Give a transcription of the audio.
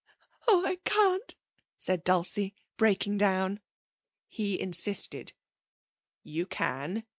'Oh, I can't,' said Dulcie, breaking down. He insisted: 'You can.